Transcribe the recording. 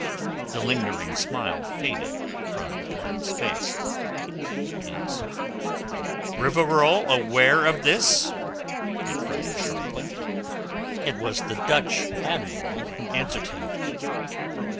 The lingering smile faded from Blood's face. "Is Rivarol aware of this?" he cried sharply. It was the Dutch Admiral who answered him.